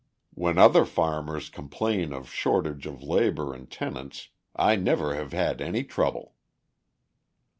When other farmers complain of shortage of labour and tenants, I never have had any trouble."